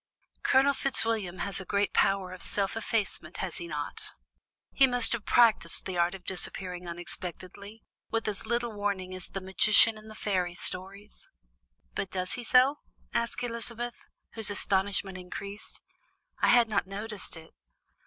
"Colonel Fitzwilliam has a great power of self effacement, has he not? He must have practiced the art of disappearing unexpectedly, with as little warning as the magician in the fairy stories." "But does he so?" asked Elizabeth, whose astonishment increased. "I had not noticed it.